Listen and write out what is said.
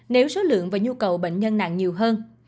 nếu số lượng và nhu cầu bệnh nhân nặng nhiều hơn